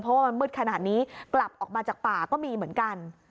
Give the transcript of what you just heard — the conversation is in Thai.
เพราะว่ามันมืดขนาดนี้กลับออกมาจากป่าก็มีเหมือนกัน